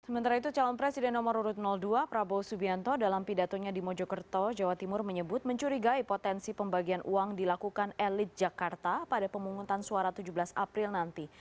sementara itu calon presiden nomor urut dua prabowo subianto dalam pidatonya di mojokerto jawa timur menyebut mencurigai potensi pembagian uang dilakukan elit jakarta pada pemungutan suara tujuh belas april nanti